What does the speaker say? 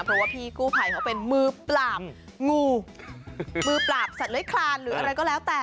เพราะว่าพี่กู้ภัยเขาเป็นมือปราบงูมือปราบสัตว์เลื้อยคลานหรืออะไรก็แล้วแต่